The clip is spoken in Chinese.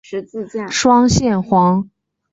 双线黄毒蛾为毒蛾科黄毒蛾属下的一个种。